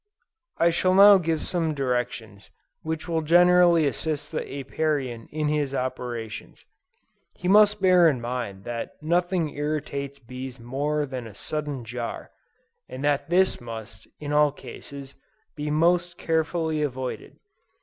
I shall now give some directions, which will greatly assist the Apiarian in his operations. He must bear in mind that nothing irritates bees more than a sudden jar, and that this must, in all cases, be most carefully avoided.